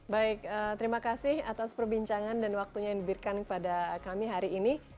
baik terima kasih atas perbincangan dan waktunya yang diberikan kepada kami hari ini